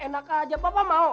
pak aja pak pak mau